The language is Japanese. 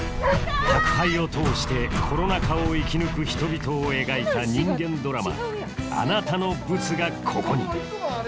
宅配を通してコロナ禍を生き抜く人々を描いた人間ドラマ「あなたのブツが、ここに」